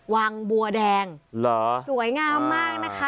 วังบัวแดงสวยงามมากนะคะ